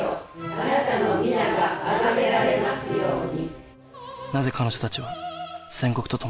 「あなたの御名があがめられますように」